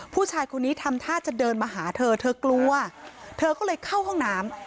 ผู้ชายคนนี้ทำท่าจะเดินมาหาเธอเธอกลัวเธอก็เลยเข้าห้องน้ำ